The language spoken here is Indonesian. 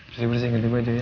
bersih bersih ganti baju ya